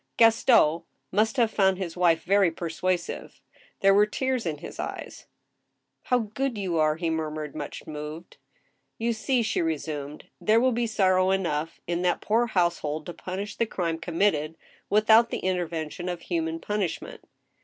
Gaston must have found his wife very persuasive. There were tears in his eyes. " How good you are !" he murmured, much moved. " You see," she resumed, " there will be sorrow enough in that 1 86 THE ST^EL HAMMER. poor household to punish the crime committed, without the inter vention of human punishment."